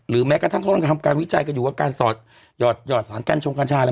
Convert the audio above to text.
หรือแม้ก็ทั้งคนทำการวิจัยกันอยู่หรือการหยอดสารแก้มชองการชายอะไร